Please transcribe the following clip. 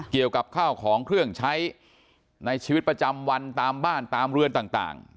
เกี่ยวกับข้าวของเครื่องใช้ในชีวิตประจำวันตามบ้านตามเรือนต่าง